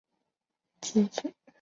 子裴栻是成泰十年进士。